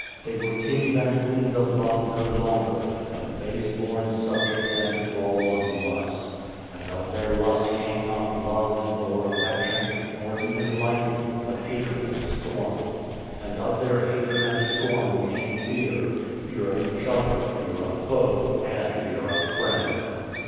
They were kings and queens of love no longer, but base born subjects and thralls of lust. And of their lust came not love, nor affection, nor even liking, but hatred and scorn. And of their hatred and scorn came fear fear of each other, fear of foe, and fear of friend.